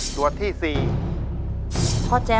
สวัสดีครับ